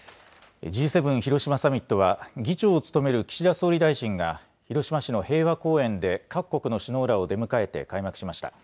Ｇ７広島サミットは議長を務める岸田総理大臣が広島市の平和公園で各国の首脳らを出迎えて開幕しました。